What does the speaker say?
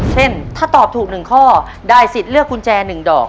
เช่นถ้าตอบถูก๑ข้อได้สิทธิ์เลือกกุญแจ๑ดอก